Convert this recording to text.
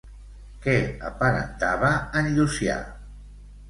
Què aparentava en Llucià?